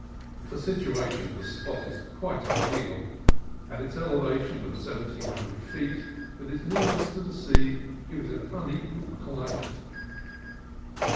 For situation the spot is quite ideal, and its elevation of seventeen hundred feet, with its nearness to the sea, give it an unequalled climate.